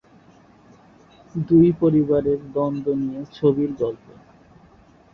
দুই পরিবারের দ্বন্দ্ব নিয়ে ছবির গল্প।